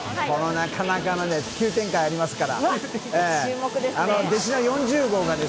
なかなか急展開がありますから。